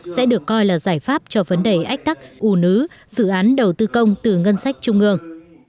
sẽ được coi là giải pháp cho vấn đề ách tắc u nứ dự án đầu tư công từ ngân sách trung ương